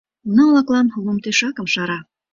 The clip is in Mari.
Уна-влаклан лум тӧшакым шара...